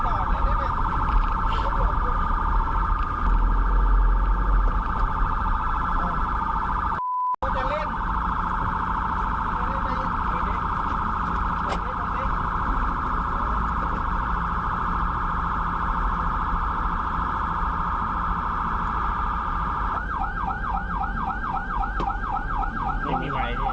ไม่มีไม้นี่